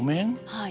はい。